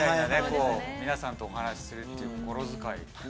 こう皆さんとお話しするっていう心遣い。